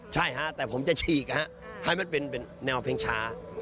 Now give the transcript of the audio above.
ใช่ฮะแต่ผมจะฉีกให้มันเป็นแนวเพลงช้า